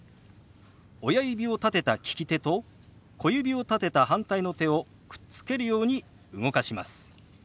親指を立てた利き手と小指を立てた反対の手をくっつけるように動かします。